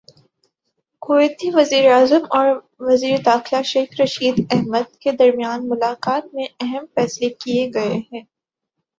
کویتی وزیراعظم اور وزیر داخلہ شیخ رشید احمد کے درمیان ملاقات میں اہم فیصلے کیے گئے ہیں